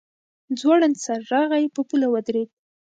ځوړند سر راغی په پوله ودرېد.